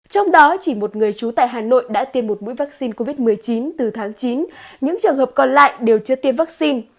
trong đó chỉ một người trú tại hà nội đã tiêm một mũi vaccine covid một mươi chín từ tháng chín những trường hợp còn lại đều chưa tiêm vaccine